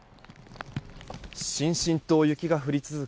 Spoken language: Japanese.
しんしんと雪が降り続く